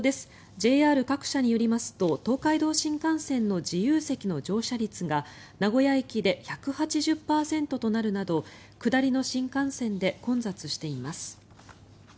ＪＲ各社によりますと東海道新幹線の自由席の乗車率が名古屋駅で１８０％となるなど下りの新幹線で混雑しています。